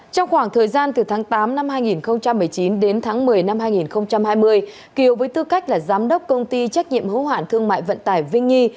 trong khoảng thời gian từ tháng tám năm hai nghìn một mươi chín đến tháng một mươi năm hai nghìn hai mươi kiều với tư cách là giám đốc công ty trách nhiệm hữu hạn thương mại vận tải vinh nhi